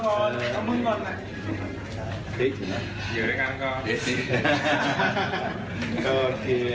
โอเคโอเค